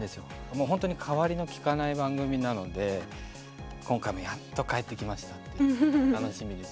もう本当に代わりの利かない番組なので今回もやっと帰ってきましたって楽しみです。